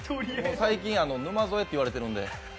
最近、沼添と言われてるんで。